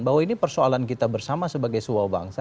bahwa ini persoalan kita bersama sebagai sebuah bangsa